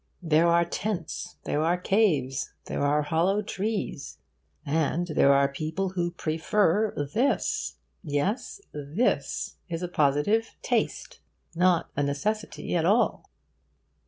There are tents, there are caves, there are hollow trees...and there are people who prefer this! Yes, 'this' is a positive taste, not a necessity at all.